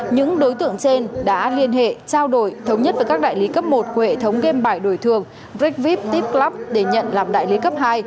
những đối tượng trên đã liên hệ trao đổi thống nhất với các đại lý cấp một của hệ thống game bài đổi thường brickvip tipclub để nhận làm đại lý cấp hai